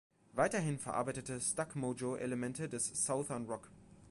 Weiterhin verarbeitet Stuck Mojo Elemente des Southern Rock.